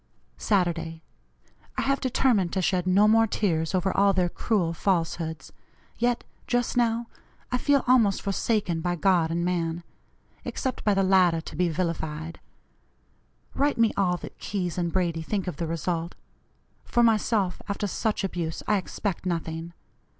"Saturday. I have determined to shed no more tears over all their cruel falsehoods, yet, just now, I feel almost forsaken by God and man except by the latter to be vilified. Write me all that Keyes and Brady think of the result. For myself, after such abuse, I expect nothing.